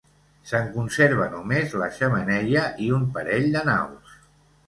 Se'n conserva només la xemeneia i un parell de naus.